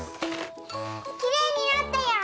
きれいになったよ！